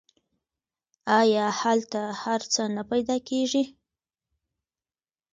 آیا هلته هر څه نه پیدا کیږي؟